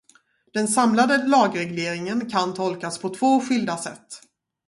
Den samlade lagregleringen kan tolkas på två skilda sätt.